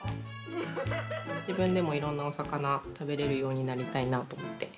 自分でもいろんなお魚食べれるようになりたいなと思って。